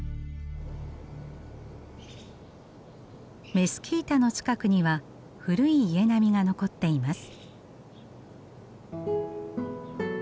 メスキータの近くには古い家並みが残っています。